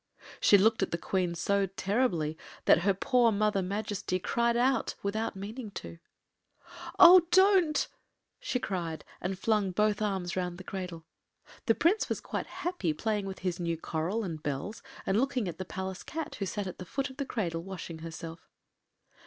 She looked at the Queen so terribly that her poor Mother Majesty cried out without meaning to. “Oh don’t!” she cried, and flung both arms round the cradle. The Prince was quite happy, playing with his new coral and bells, and looking at the Palace cat, who sat at the foot of the cradle washing herself.